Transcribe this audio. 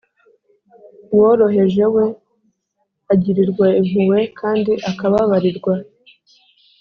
Uworoheje we, agirirwa impuhwe kandi akababarirwa,